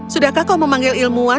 sudahkah kau memanggil ilmuwan